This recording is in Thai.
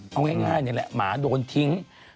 ผนใจละหมาโดนทิ้ง